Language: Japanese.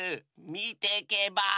みてけばあ？